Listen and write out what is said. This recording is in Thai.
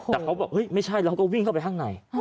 แต่เขาบอกไม่ใช่แล้วก็วิ่งเข้าไปห้างใน